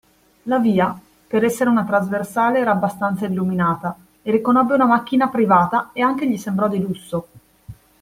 La via, per essere una trasversale, era abbastanza illuminata e riconobbe una macchina privata e anche gli sembrò di lusso.